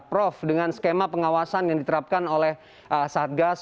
prof dengan skema pengawasan yang diterapkan oleh satgas